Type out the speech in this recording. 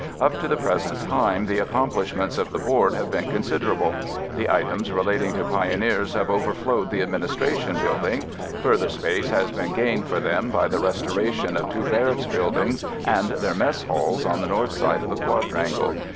Up to the present time the accomplishments of the Board have been considerable. The items relating to pioneers have overflowed the Administration Building. Further space has been gained for them by the restoration of two Barracks Buildings and their Mess Halls on the North side of the Quadrangle.